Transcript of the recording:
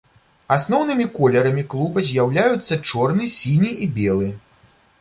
Асноўнымі колерамі клуба з'яўляюцца чорны, сіні і белы.